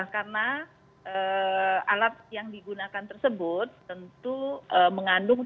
karena alat yang digunakan tersebut tentu mengandung